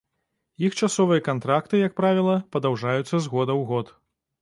Іх часовыя кантракты, як правіла, падаўжаюцца з года ў год.